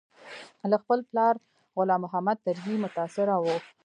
له خپل پلار غلام محمد طرزي متاثره و.